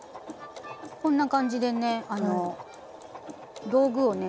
こんな感じでねあの道具をね